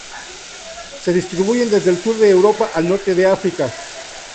Se distribuyen desde el sur de Europa al norte de África.